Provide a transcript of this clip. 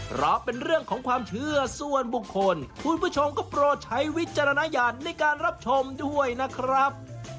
เพราะเป็นเรื่องของความเชื่อส่วนบุคคลคุณผู้ชมก็โปรดใช้วิจารณญาณในการรับชมด้วยนะครับ